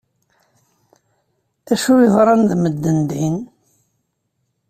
Acu yeḍran d medden din?